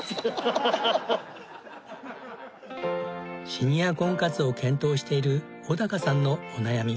シニア婚活を検討している小高さんのお悩み。